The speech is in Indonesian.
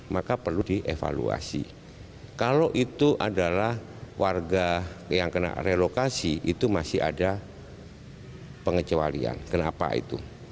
maka perlu dievaluasi kalau itu adalah warga yang kena relokasi itu masih ada pengecualian kenapa itu